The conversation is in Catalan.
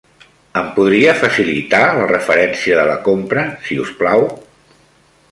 Em podria facilitar la referència de la compra, si us plau?